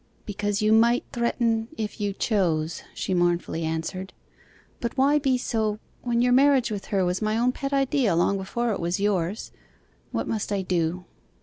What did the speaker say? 'Because you might threaten if you chose,' she mournfully answered. 'But why be so when your marriage with her was my own pet idea long before it was yours? What must I do?